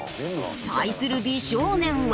対する美少年は。